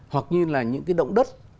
hoặc như là những cái động đất